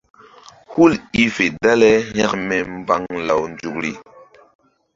Hul i fe dale hȩkme mbaŋ law nzukri.